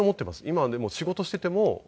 今でも仕事していても。